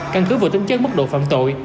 căn cứ vừa tính chất mất độ phạm tội